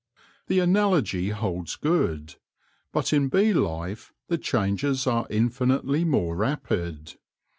The analogy holds good, but in bee life the changes are infinitely more rapid.